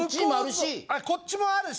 こっちもあるし？